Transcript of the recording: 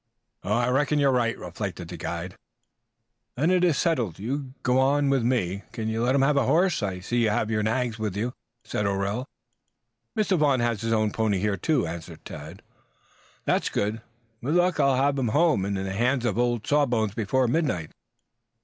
"I reckon you are right," reflected the guide. "Then it is settled. You go in with me. Can you let him have a horse? I see you have your nags with you," said O'Rell. "Mr. Vaughn has his own pony here, too," answered Tad. "That's good. With luck I'll have him home and in the hands of old Saw Bones before midnight."